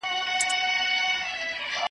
پل د چا کورته دریږي لاس د چا په وینو سور دی .